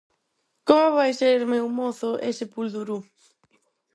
Como vai ser o meu mozo ese puldurú?